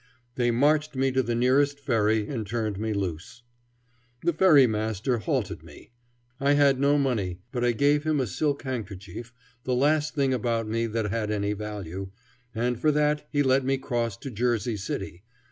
They marched me to the nearest ferry and turned me loose. The ferry master halted me. I had no money, but I gave him a silk handkerchief, the last thing about me that had any value, and for that he let me cross to Jersey City.